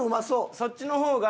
そっちの方が。